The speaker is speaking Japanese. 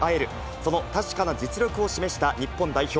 その確かな実力を示した日本代表。